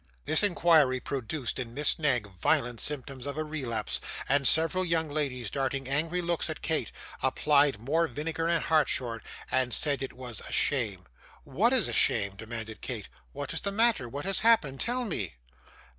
This inquiry produced in Miss Knag violent symptoms of a relapse; and several young ladies, darting angry looks at Kate, applied more vinegar and hartshorn, and said it was 'a shame.' 'What is a shame?' demanded Kate. 'What is the matter? What has happened? tell me.